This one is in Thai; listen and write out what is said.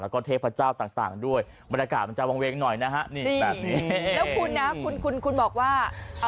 แล้วก็เทพเจ้าต่างด้วยบรรยากาศมันจะวังเว้งหน่อยนะนะ